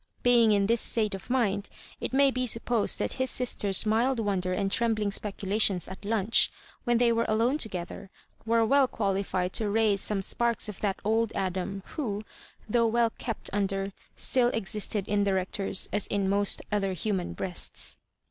Being in. this state of mind, it may be supposed that his sister's mild wonder and trembling speculations at lunchf when they were alone together) were well qualified to raise some sparks of that old Adam, who, though well kept under, still existed in the Rector's, as in most other human breasts.